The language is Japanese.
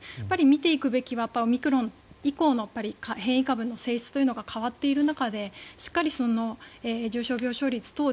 見ていくべきはオミクロン以降の変異株の性質というのが変わっている中でしっかり重症病床率等